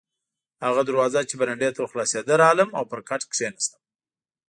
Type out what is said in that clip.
هغه دروازه چې برنډې ته ور خلاصېده، راغلم او پر کټ کښېناستم.